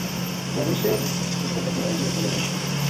Kiazi lishe ukikikata kina rangi ya chungwa ndani